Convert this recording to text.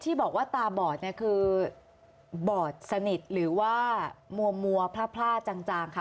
ที่บอกว่าตาบอดเนี่ยคือบอดสนิทหรือว่ามัวพลาดจางคะ